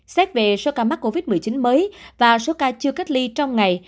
xét về số ca mắc covid một mươi chín mới và số ca chưa cách ly trong ngày